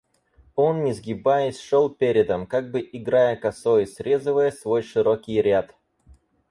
Он, не сгибаясь, шел передом, как бы играя косой, срезывая свой широкий ряд.